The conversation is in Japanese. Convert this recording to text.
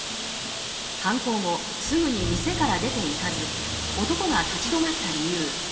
犯行後、すぐに店から出て行かず男が立ち止まった理由